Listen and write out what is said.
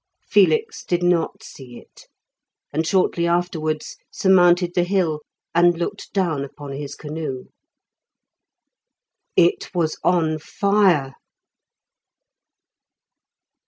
Felix did not see it, and shortly afterwards surmounted the hill, and looked down upon his canoe. It was on fire!